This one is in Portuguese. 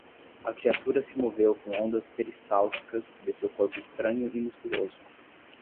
A criatura se moveu com ondas peristálticas de seu corpo estranho e musculoso.